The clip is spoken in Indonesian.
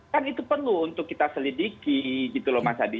kan itu perlu untuk kita selidiki gitu loh mas hadi